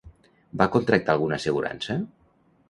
Va contractar alguna assegurança?